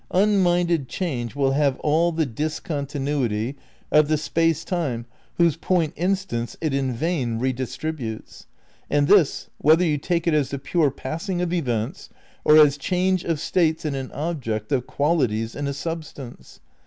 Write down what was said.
Unminded change will have all the discontinuity of the Space Time whose point instants it in vain redistributes. And this, whether you take it as the pure passing of events, or as change of states in an object, of qualities in a sub stance.